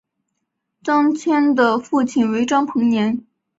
张謇的父亲为张彭年。